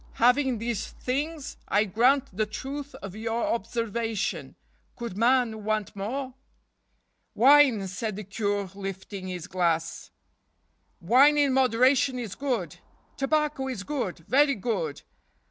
Having these things, I grant the truth of your observation, * could man want more ?'"" Wine," said the Cure, lifting his glass, " wine in moderation is good. Tobacco is good—very good.